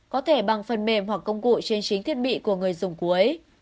có thể bằng phần mềm hoặc công cụ trên chính thiết bị của người dùng cuối